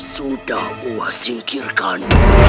sudah uat singkirkan